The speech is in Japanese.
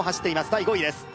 第５位です